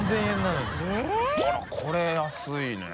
これ安いね。